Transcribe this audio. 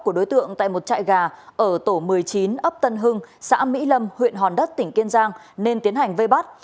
của đối tượng tại một trại gà ở tổ một mươi chín ấp tân hưng xã mỹ lâm huyện hòn đất tỉnh kiên giang nên tiến hành vây bắt